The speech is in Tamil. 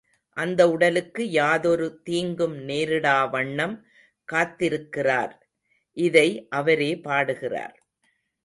அந்த உடலுக்கு யாதொரு தீங்கும் நேரிடா வண்ணம் காத்திருக்கிறார்.. இதை அவரே பாடுகிறார்.